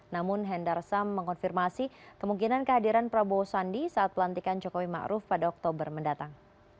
namun hendarsam mengonfirmasi kemungkinan kehadiran prabowo sandi saat pelantikan jokowi ma'ruf pada oktober mendatang